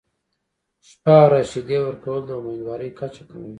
شپه او ورځ شیدې ورکول د امیندوارۍ کچه کموي.